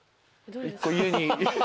１個家に。